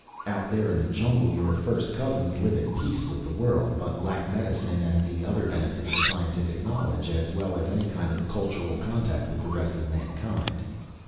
Out there in the jungle, your first cousins live at peace with the world, but lack medicine and the other benefits of scientific knowledge, as well as any kind of cultural contact with the rest of mankind.